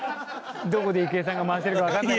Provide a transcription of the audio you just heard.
どこで郁恵さんが回してるかわかんない。